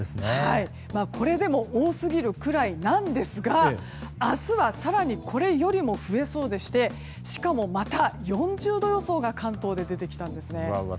これでも多すぎるくらいなんですが明日は更にこれよりも増えそうでしてしかもまた４０度予想が関東で出てきたんです。